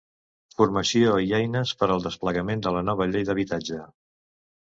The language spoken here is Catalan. Formació i eines per al desplegament de la nova llei d'habitatge.